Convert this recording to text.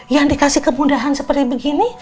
yang dikasih kemudahan seperti begini